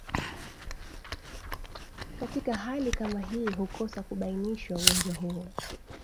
katika hali kama hii hukosa kubainishwa Ugonjwa huo